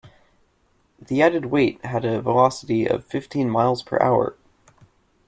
The added weight had a velocity of fifteen miles per hour.